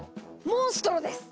モンストロです！